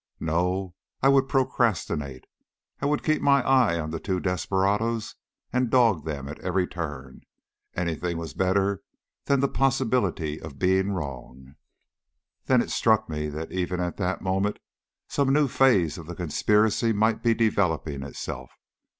No, I would procrastinate; I would keep my eye on the two desperadoes and dog them at every turn. Anything was better than the possibility of being wrong. Then it struck me that even at that moment some new phase of the conspiracy might be developing itself.